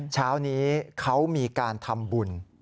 เช้านี้เขามีการทำบุญ